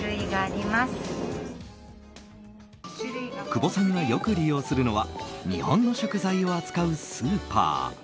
久保さんがよく利用するのは日本の食材を扱うスーパー。